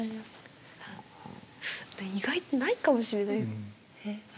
意外とないかもしれない。